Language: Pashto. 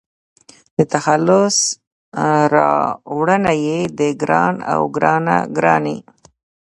د تخلص راوړنه يې د --ګران--او --ګرانه ګراني